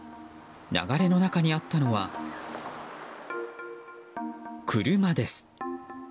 流れの中にあったのは車です。